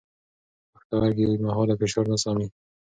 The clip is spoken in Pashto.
پښتورګي اوږدمهاله فشار نه زغمي.